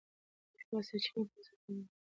موږ باید سرچینې په مؤثره توګه وکاروو.